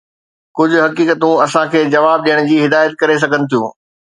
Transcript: ڪجھ حقيقتون اسان کي جواب ڏيڻ جي هدايت ڪري سگھن ٿيون.